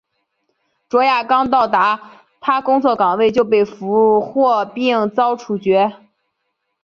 卓娅刚到达她工作岗位就被俘并遭处决。